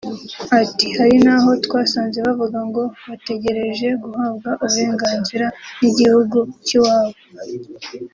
Ati “Hari naho twasanze bavuga ngo bategereje guhabwa uburenganzira n’igihugu cy’iwabo